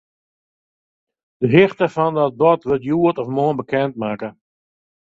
De hichte fan dat bod wurdt hjoed of moarn bekendmakke.